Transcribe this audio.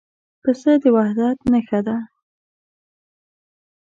پسه د وحدت نښه ده.